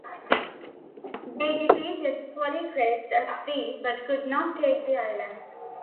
They defeated Polycrates at sea but could not take the island.